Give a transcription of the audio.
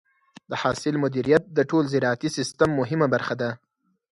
د حاصل مدیریت د ټول زراعتي سیستم مهمه برخه ده.